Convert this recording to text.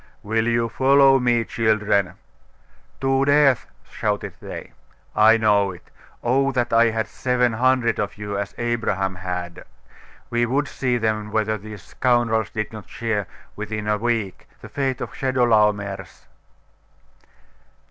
'Will you follow me, children?' 'To death!' shouted they. 'I know it. Oh that I had seven hundred of you, as Abraham had! We would see then whether these scoundrels did not share, within a week, the fate of Chedorlaomer's.